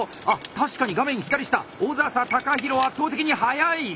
確かに画面左下小佐々貴博圧倒的にはやい！